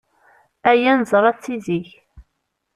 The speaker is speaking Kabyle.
Aya neẓra-t si zik.